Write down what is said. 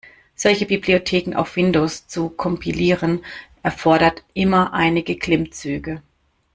Solche Bibliotheken auf Windows zu kompilieren erfordert immer einige Klimmzüge.